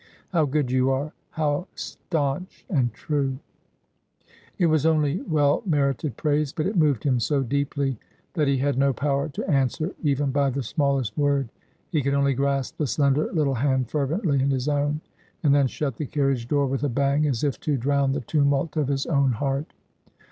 ' How good you are ! how staunch and true !' It was only well merited praise, but it moved him so deeply ^For Wele or Wo, for Carole, or for Daunce.^ 227 that he had no power to answer, even by the smallest word. He could only grasp the slender little hand fervently in his own, and then shut the carriage door with a bang, as if to drown the tumult of his own heart.